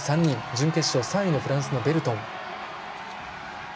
準決勝３位のフランスのベルトン。